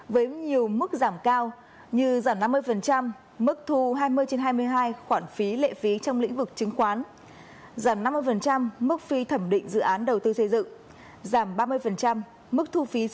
với nhiều mức giảm cao như giảm năm mươi mức thu hai mươi trên hai mươi hai khoản phí lệ phí